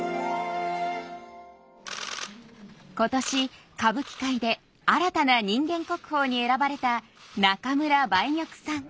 今年歌舞伎界で新たな人間国宝に選ばれた中村梅玉さん。